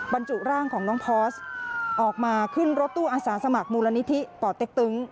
บรรจุร่างของน้องพอร์สออกมาขึ้นรถตู้อาสาสมัครมูลนิธิป่อเต็กตึง